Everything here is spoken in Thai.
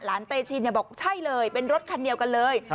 เตชินบอกใช่เลยเป็นรถคันเดียวกันเลย